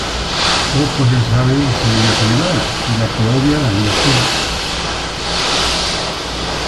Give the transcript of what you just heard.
Poco se sabe de su vida privada, ya que odia la vida pública.